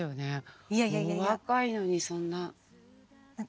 お若いのにそんな。